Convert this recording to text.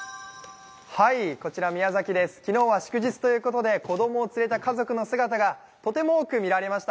昨日は祝日ということで子供を連れた家族の姿がとても多く見られました。